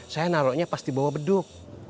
saya naroknya pas dibawa beduk